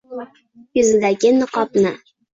yuzidagi niqobni